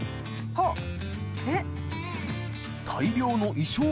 あっえっ？